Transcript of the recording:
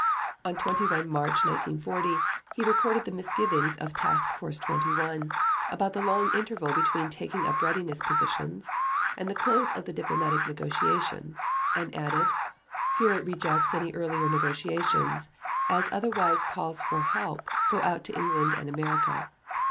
On 21 March 1940 he recorded the misgivings of Task Force XXI about the long interval between taking up readiness positions and the close of the diplomatic negotiations, and added: "Führer rejects any earlier negotiations, as otherwise calls for help go out to England and America.